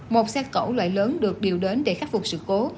một xe cẩu loại lớn được điều đến để khắc phục sự cố